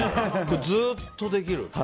ずっとできる。